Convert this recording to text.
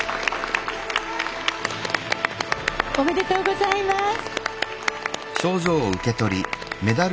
おめでとうございます。